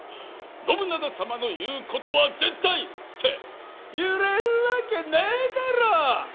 信長様の言うことは絶対！」って言えるわけねえだろ！